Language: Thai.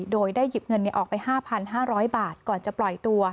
โดยได้หยิบเงินออกไป๕๕๐๐บาทก่อนจะปล่อยตัว